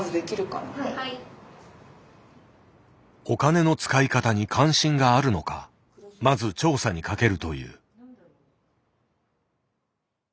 「お金の使い方」に関心があるのかまず調査にかけるという。